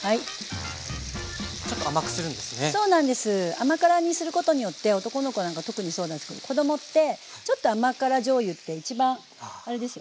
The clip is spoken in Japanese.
甘辛にすることによって男の子なんか特にそうなんですけど子供ってちょっと甘辛じょうゆって一番あれですよね。